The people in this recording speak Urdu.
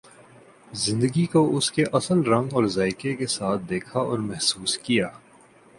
زندگی کو اس کے اصل رنگ اور ذائقہ کے ساتھ دیکھا اور محسوس کیا۔